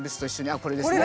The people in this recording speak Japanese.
あっこれですね。